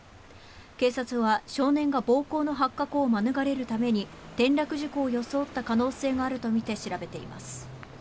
警察は少年が暴行の発覚を免れるために転落事故を装った可能性があるとみて調べています。